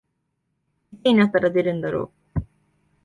いつになったら出るんだろう